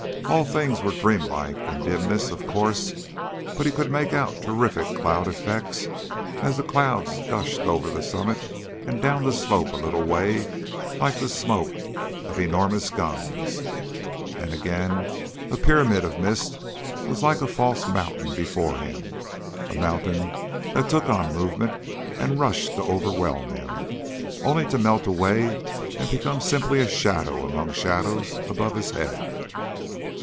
All things were dreamlike in dimness, of course, but he could make out terrific cloud effects, as the clouds gushed over the summit and down the slope a little way like the smoke of enormous guns; and again a pyramid of mist was like a false mountain before him, a mountain that took on movement and rushed to overwhelm him, only to melt away and become simply a shadow among shadows above his head.